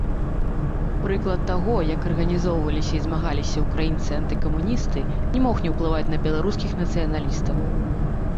Прыклад таго, як арганізоўваліся і змагаліся ўкраінцы-антыкамуністы, не мог не ўплываць на беларускіх нацыяналістаў.